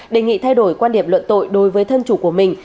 đề nghị thay đổi quan điểm luận tội đối với thân chủ của mình